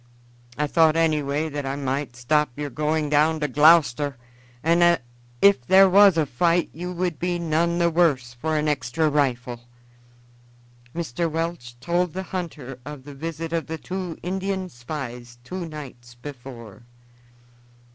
I thought anyway that I might stop your going down to Gloucester, and that if there was a fight you would be none the worse for an extra rifle." Mr. Welch told the hunter of the visit of the two Indian spies two nights before.